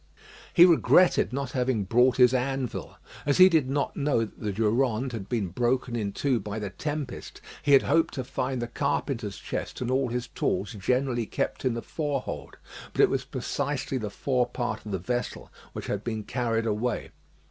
He regretted not having brought his anvil. As he did not know that the Durande had been broken in two by the tempest, he had hoped to find the carpenter's chest and all his tools generally kept in the forehold. But it was precisely the fore part of the vessel which had been carried away.